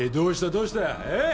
どうした？ええ？